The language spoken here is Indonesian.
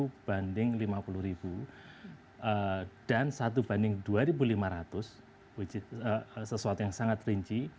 satu banding lima puluh ribu dan satu banding dua lima ratus sesuatu yang sangat rinci